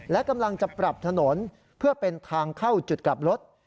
และกำลังจะปรับถนนเพื่อเป็นทางเข้าจุดกลับรถ